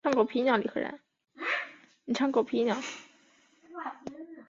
全缘华北八宝为景天科八宝属下的一个变种。